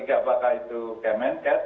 apakah itu kemenkat